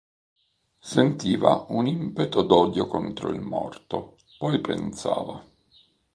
Sentiva un impeto d'odio contro il morto; poi pensava.